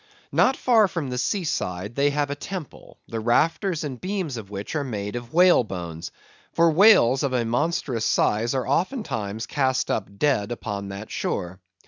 "Not far from the Sea side, they have a Temple, the Rafters and Beams of which are made of Whale Bones; for Whales of a monstrous size are oftentimes cast up dead upon that shore.